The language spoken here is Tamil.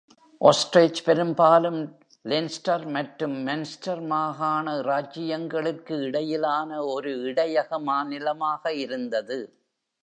ஒஸ்ரேஜ் பெரும்பாலும் லென்ஸ்டர் மற்றும் மன்ஸ்டர் மாகாண இராஜ்ஜியங்களுக்கு இடையிலான ஒரு இடையக மாநிலமாக இருந்தது.